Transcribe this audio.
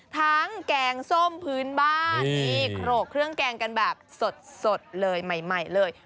แกงส้มพื้นบ้านนี่โครกเครื่องแกงกันแบบสดเลยใหม่เลย